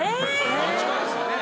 近いですよね。